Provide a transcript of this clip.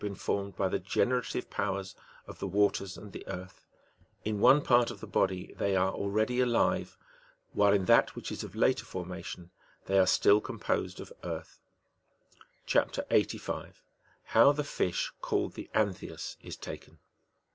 4/3 formed by the generative powers of the waters and the earth : in one part of the body they are already alive, while in that which is of later formation, they are still composed of earth. (MAP. 85. (59.) HOW THE FISH CALLED THE AI^THIAS IS TAKEN.